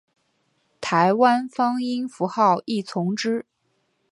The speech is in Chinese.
台湾方音符号亦从之。